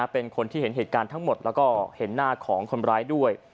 เป็นคนที่เห็นเหตุการณ์ทั้งหมดแล้วก็เห็นหน้าของคนร้ายด้วย